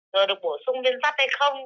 rồi được bổ sung liên tắc hay không